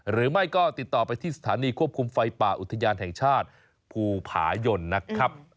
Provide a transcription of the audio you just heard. หรือไม่ก็ติดต่อไปที่สถานีควบคุมไฟป่าอุทยานแห่งชาติภูผายนนะครับ